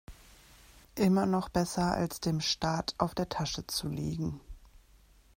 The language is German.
Immer noch besser, als dem Staat auf der Tasche zu liegen.